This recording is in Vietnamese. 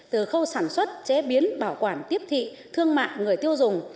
từ khâu sản xuất chế biến bảo quản tiếp thị thương mại người tiêu dùng